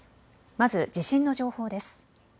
まず地震の情報です。